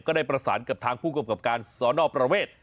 ได้ประสานกับทางผู้กำกับการสอนอประเวท